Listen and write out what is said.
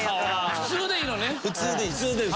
普通でいいです。